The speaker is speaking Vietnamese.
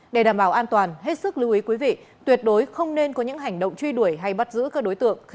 để đảm bảo an toàn hết sức lưu ý quý vị tuyệt đối không nên có những hành động truy đuổi hay bắt giữ các đối tượng